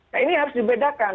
nah ini harus dibedakan